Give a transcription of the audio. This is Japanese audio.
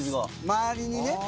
周りにね。